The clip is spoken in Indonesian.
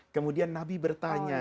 kemudian nabi bertanya